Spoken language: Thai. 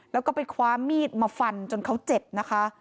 แล้วก็ไปคว้ามีดมาฟันจนเขาเจ็บนะคะ